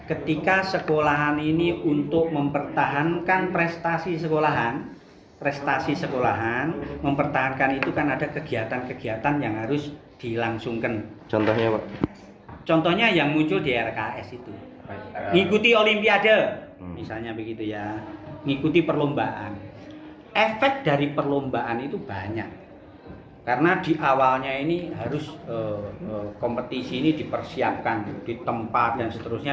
efek dari perlombaan itu banyak karena di awalnya ini harus kompetisi ini dipersiapkan di tempat dan seterusnya